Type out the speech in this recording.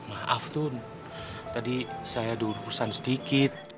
maaf tun tadi saya durusan sedikit